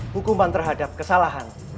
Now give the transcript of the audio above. hukuman terhadap kesalahan